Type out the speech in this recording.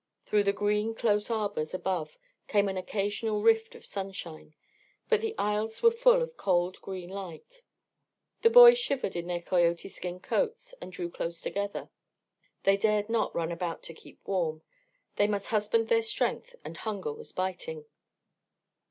Through the green close arbours above came an occasional rift of sunshine, but the aisles were full of cold green light. The boys shivered in their coyote skin coats and drew close together; they dared not run about to keep warm; they must husband their strength, and hunger was biting.